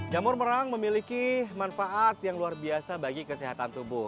jamur merang memiliki manfaat yang luar biasa bagi kesehatan tubuh